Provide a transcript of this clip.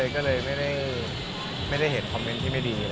ก็เลยไม่ได้เห็นคอมเมนต์ที่ไม่ดี